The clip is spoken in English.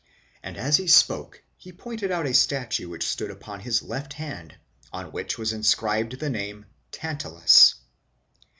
'.. And as he spoke he, pointed out ἃ statue which stood upon his left hand, on which was inscribed the name " Tantalus."